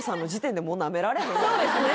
そうですね